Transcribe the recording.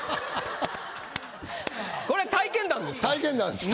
これ体験談ですか？